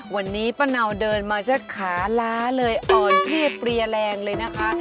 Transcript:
วันนี้ปะเนาดือมาเจอะขาล้าอ่อนชิ้นพรียแรงเลยนะคะ